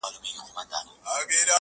نه دعا یې له عذابه سي ژغورلای!.